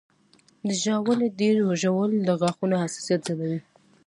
د ژاولې ډېر ژوول د غاښونو حساسیت زیاتوي.